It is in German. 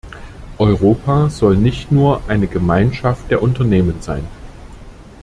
Europa soll nicht nur eine Gemeinschaft der Unternehmen sein.